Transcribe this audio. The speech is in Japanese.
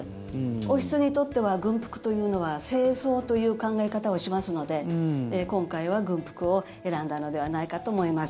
王室にとっては軍服というのは正装という考え方をしますので今回は軍服を選んだのではないかと思います。